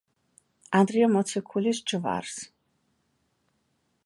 ანდრია მოციქულის ჯვარს.